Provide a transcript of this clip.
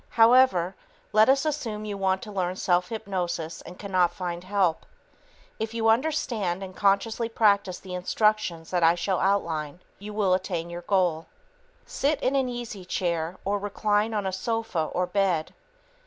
However, let us assume you want to learn self hypnosis and cannot find help. If you understand and consciously practice the instructions that I shall outline, you will attain your goal. Sit in an easy chair or recline on a sofa or bed.